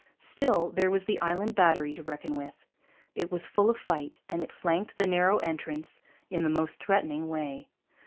Still, there was the Island Battery to reckon with. It was full of fight, and it flanked the narrow entrance in the most threatening way.